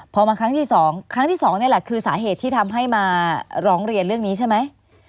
พอมาครั้งที่สองครั้งที่สองนี่แหละคือสาเหตุที่ทำให้มาร้องเรียนเรื่องนี้ใช่ไหม